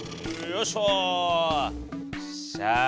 よっしゃあ。